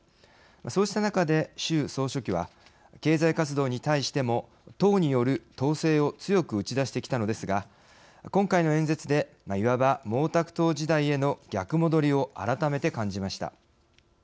そうした中で習総書記は経済活動に対しても党による統制を強く打ち出してきたのですが今回の演説でいわば毛沢東時代への逆戻りを改めて感じました。